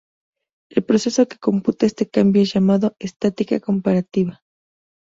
El proceso que computa este cambio es llamado estática comparativa.